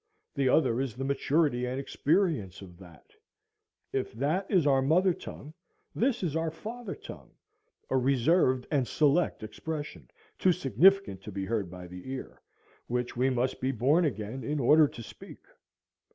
The other is the maturity and experience of that; if that is our mother tongue, this is our father tongue, a reserved and select expression, too significant to be heard by the ear, which we must be born again in order to speak.